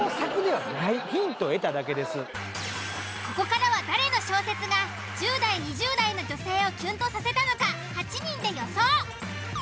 ここからは誰の小説が１０代２０代の女性をキュンとさせたのか８人で予想。